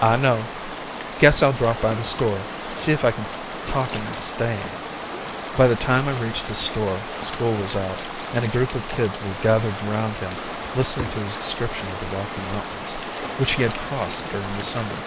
"I know. Guess I'll drop by the store; see if I can talk him into staying." By the time I reached the store, school was out, and a group of kids were gathered around him, listening to his description of the Rocky Mountains, which he had crossed during the summer.